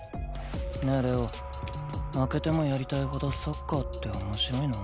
ねえ玲王負けてもやりたいほどサッカーって面白いの？